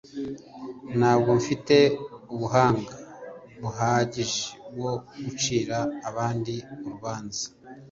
ntabwo mufite ubuhanga buhagije bwo gucira abandi urubanza.